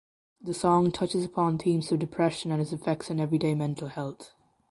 The song touches upon themes of depression and its effects on everyday mental health.